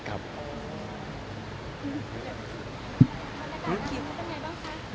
วันยากาศขีดเป็นไงบ้างคะ